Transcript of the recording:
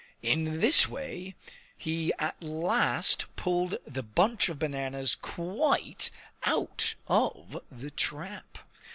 In this way he at last pulled the bunch of bananas quite out of the trap.